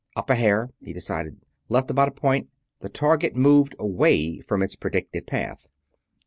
"Up a hair," he decided. "Left about a point." The target moved away from its predicted path.